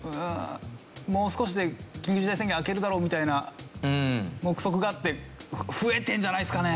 もう少しで緊急事態宣言明けるだろみたいな目測があって増えてるんじゃないですかね。